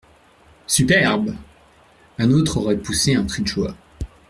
Superbe ! un autre aurait poussé un cri de joie…